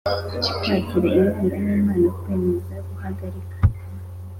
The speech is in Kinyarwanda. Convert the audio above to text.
Kwakira inkunga n impano Kwemeza guhagarika